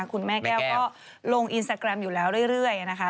คุณแม่แก้วก็ลงอินสตาแกรมอยู่แล้วเรื่อยนะคะ